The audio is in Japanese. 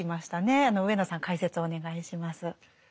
上野さん解説をお願いします。